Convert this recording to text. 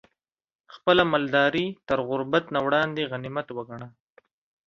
خپله مالداري تر غربت نه وړاندې غنيمت وګڼه